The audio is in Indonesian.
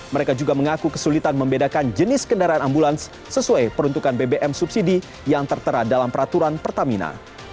mereka juga mengaku kesulitan membedakan jenis kendaraan ambulans sesuai peruntukan bbm subsidi yang tertera dalam peraturan pertamina